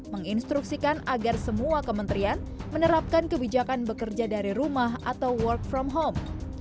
menginstruksikan agar semua kementerian menerapkan kebijakan bekerja dari rumah atau work from home